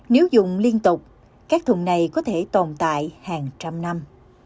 nếu dùng liên tục các thùng này có thể tồn tại hàng trăm năm